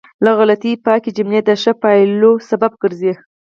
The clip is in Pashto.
له غلطیو پاکې جملې د ښه پایلو سبب ګرځي.